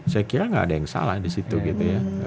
saya kira nggak ada yang salah di situ gitu ya